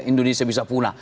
indonesia bisa punah